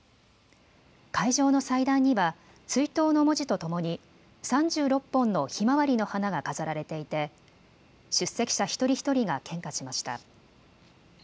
会場の祭壇には追悼の文字とともに３６本のひまわりの花が飾られていて出席者一人一人が献花しました。